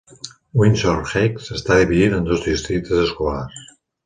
Windsor Heights està dividit en dos districtes escolars.